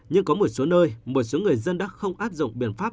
nhưng có một số nơi một số người dân đã không áp dụng biện pháp